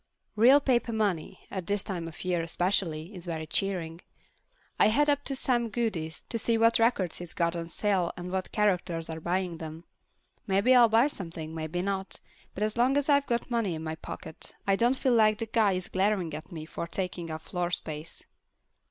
Real paper money, at this time of year especially, is very cheering. I head up to Sam Goody's to see what records he's got on sale and what characters are buying them. Maybe I'll buy something, maybe not, but as long as I've got money in my pocket, I don't feel like the guy is glaring at me for taking up floor space.